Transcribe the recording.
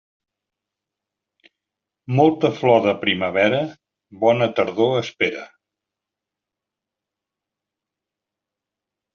Molta flor de primavera, bona tardor espera.